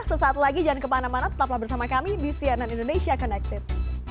sesaat lagi jangan kemana mana tetaplah bersama kami di cnn indonesia connected